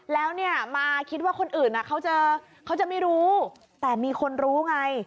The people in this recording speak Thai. แล้วเนี่ยมาคิดว่าคนอื่นเขาจะไม่รู้แต่มีคนรู้ไง